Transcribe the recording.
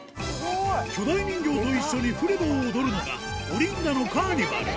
巨大人形と一緒にフレヴォを踊るのが、オリンダのカーニバル。